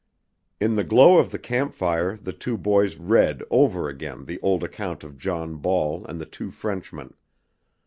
In the glow of the camp fire the two boys read over again the old account of John Ball and the two Frenchmen.